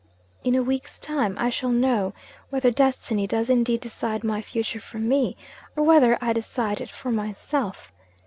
In a week's time, I shall know whether Destiny does indeed decide my future for me, or whether I decide it for myself.